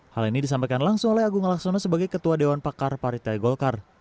hal ini disampaikan langsung oleh agung laksono sebagai ketua dewan pakar partai golkar